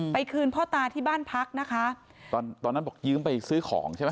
คืนพ่อตาที่บ้านพักนะคะตอนตอนนั้นบอกยืมไปซื้อของใช่ไหม